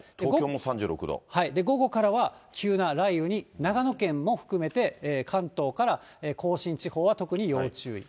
午後からは急な雷雨に、長野県も含めて、関東から甲信地方は特に要注意。